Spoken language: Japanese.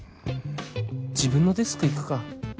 自分のデスク行くか